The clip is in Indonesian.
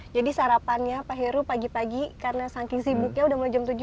jadi sarapannya pak heru pagi pagi karena sangking sibuknya udah mulai jam tujuh